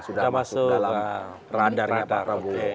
sudah masuk dalam radarnya pak prabowo